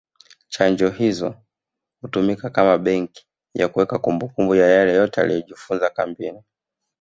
Chanjo hizo hutumika kama benki ya kuweka kumbukumbu ya yale yote aliyojifunza kambini